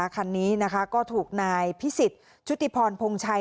คันนี้นะคะก็ถูกนายพิสิทธิ์ชุติพรพงชัย